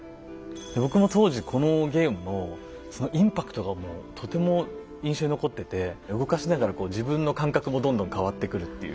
僕も当時このゲームのそのインパクトがもうとても印象に残ってて動かしながらこう自分の感覚もどんどん変わってくるっていう。